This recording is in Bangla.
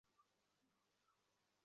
ভগবান আপনাকে নিরন্তর আশীর্বাদ করুন।